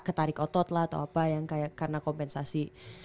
ketarik otot lah atau apa yang kayak karena kompensasi